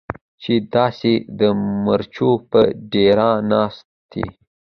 چې داسې د مرچو په ډېرۍ ناسته یې.